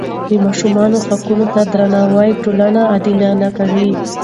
د ماشوم حقونو ته درناوی ټولنه عادلانه کوي.